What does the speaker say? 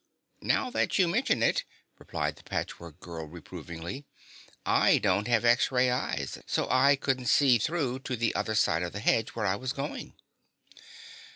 "Now that you mention it," replied the Patchwork Girl reprovingly, "I don't have X ray eyes, so I couldn't see through to the other side of the hedge where I was going."